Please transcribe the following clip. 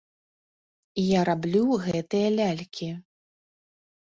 Я раблю гэтыя лялькі.